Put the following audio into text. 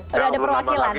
sudah ada perwakilan ya